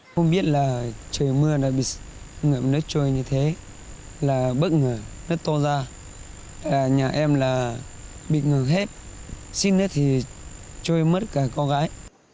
không biết là trời mưa đã bị ngưỡng nứt trôi như thế là bất ngờ nứt to ra nhà em là bị ngưỡng hết xin nứt thì trôi mất cả con gái